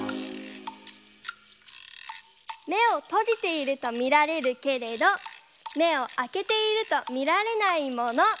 「めをとじているとみられるけれどめをあけているとみられないもの」